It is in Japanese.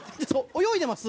泳いでます？